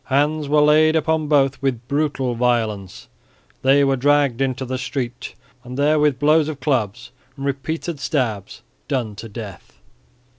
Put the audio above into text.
Hands were laid upon both with brutal violence; they were dragged into the street; and there with blows of clubs and repeated stabs done to death.